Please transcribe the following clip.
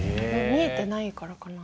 「見えてないから」